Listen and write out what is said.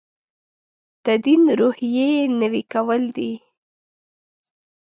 تدین روحیې نوي کول دی.